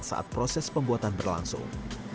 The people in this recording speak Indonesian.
saat proses pembuatan berlangsung